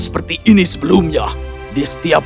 seperti ini sebelumnya di setiap